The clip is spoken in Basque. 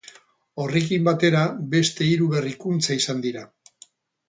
Horrekin batera, beste hiru berrikuntza izan dira.